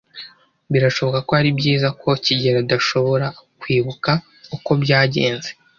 Birashoboka ko ari byiza ko kigeli adashobora kwibuka uko byagenze.